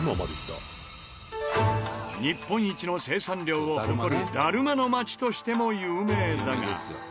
日本一の生産量を誇るダルマの町としても有名だが。